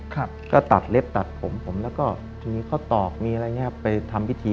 ครับก็ตัดเล็บตัดผมผมแล้วก็ทีนี้เขาตอกมีอะไรอย่างเงี้ยไปทำพิธี